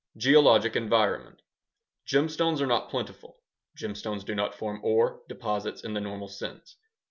Geologic environment Gemstones are not plentiful. Gemstones do not form ŌĆ£oreŌĆØ deposits in the normal sense.